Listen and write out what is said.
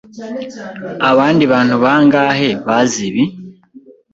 Abandi bantu bangahe bazi ibi?